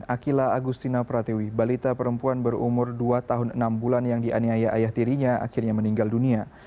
akila agustina pratewi balita perempuan berumur dua tahun enam bulan yang dianiaya ayah tirinya akhirnya meninggal dunia